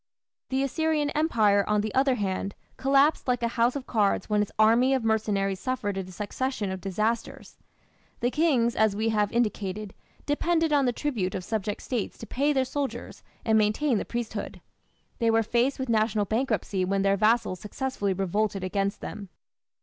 The Assyrian Empire, on the other hand, collapsed like a house of cards when its army of mercenaries suffered a succession of disasters. The kings, as we have indicated, depended on the tribute of subject States to pay their soldiers and maintain the priesthood; they were faced with national bankruptcy when their vassals successfully revolted against them.